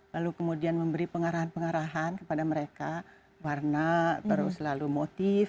lalu kemudian memberi pengarahan pengarahan kepada mereka warna terus lalu motif